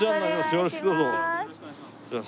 よろしくどうぞ。